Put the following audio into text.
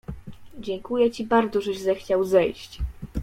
"Dziękuję ci bardzo, żeś zechciał zejść."